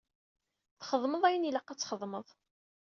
Txedmeḍ ayen ilaq ad txedmeḍ.